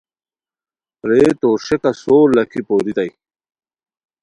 رے تو ݰیکہ سور لاکھی پورتائے